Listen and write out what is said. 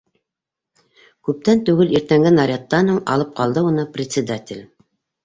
Күптән түгел иртәнге нарядтан һуң алып ҡалды уны председатель.